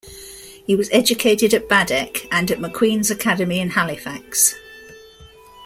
He was educated in Baddeck and at McQueen's Academy in Halifax.